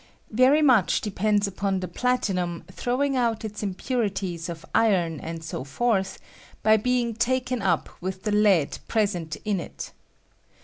Very much depends upon the platinum throwing out its impuritiea of iron and so forth by being taken up with the lead present in it.